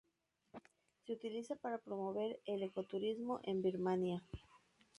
Se utiliza para promover el ecoturismo en Birmania.